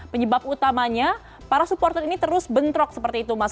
penyebab utamanya para supporter ini terus bentrok seperti itu mas